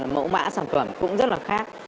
mẫu mã sản phẩm cũng rất là khóa